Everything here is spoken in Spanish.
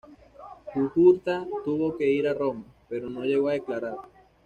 Jugurta tuvo que ir a Roma, pero no llegó a declarar.